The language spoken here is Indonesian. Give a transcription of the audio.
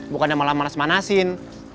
bukannya malah manas manasin